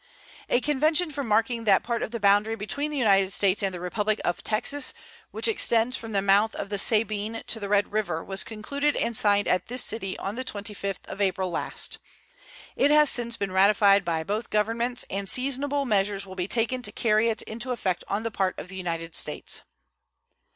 A convention for marking that part of the boundary between the United States and the Republic of Texas which extends from the mouth of the Sabine to the Red River was concluded and signed at this city on the 25th of April last. It has since been ratified by both Governments, and seasonable measures will be taken to carry it into effect on the part of the United States.